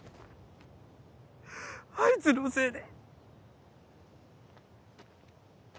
あいつのせいで！